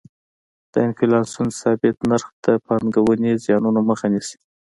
د انفلاسیون ثابت نرخ د پانګونې زیانونو مخه نیسي.